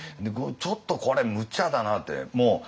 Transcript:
ちょっとこれむちゃだなって。